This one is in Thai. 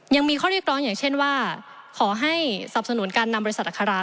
ยังมีข้อเรียกร้องอย่างเช่นว่าขอให้สับสนุนการนำบริษัทอัครา